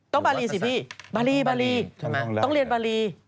ต้องบารีสิพี่บารีบารีต้องเรียนบารี